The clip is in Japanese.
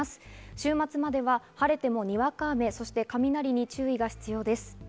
週末までは晴れても、にわか雨、そして雷に注意が必要です。